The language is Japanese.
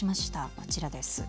こちらです。